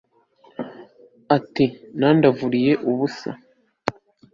ati nandavuriye ubusa